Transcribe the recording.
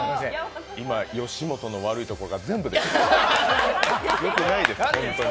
今、吉本の悪いところが全部出てるよくないです、ホントに。